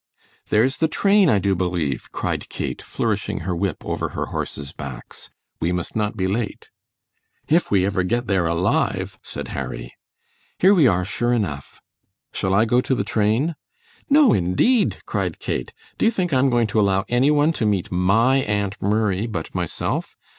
"There's the train I do believe," cried Kate, flourishing her whip over her horses' backs. "We must not be late." "If we ever get there alive," said Harry. "Here we are sure enough." "Shall I go to the train?" "No, indeed," cried Kate. "Do you think I am going to allow any one to meet MY Aunt Murray but myself?